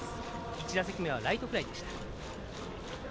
１打席目はライトフライでした。